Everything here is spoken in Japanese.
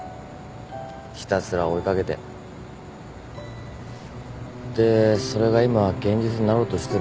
ひたすら追い掛けてでそれが今現実になろうとしてるわけじゃん。